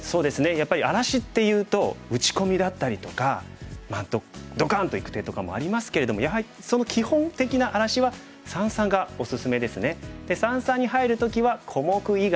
やっぱり荒らしっていうと打ち込みだったりとかドカンといく手とかもありますけれどもやはりそので三々に入る時は小目以外。